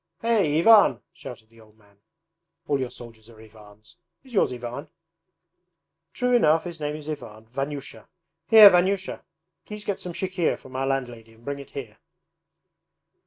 Hey, Ivan!' shouted the old man. 'All your soldiers are Ivans. Is yours Ivan?' 'True enough, his name is Ivan Vanyusha. Here Vanyusha! Please get some chikhir from our landlady and bring it here.'